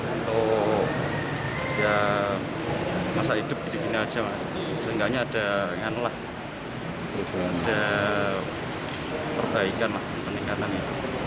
untuk masa hidup sehingga ada perbaikan lah peningkatan itu